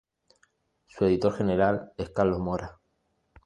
Su editor general es Carlos Mora.